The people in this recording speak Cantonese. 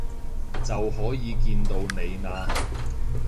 就可以見到你喇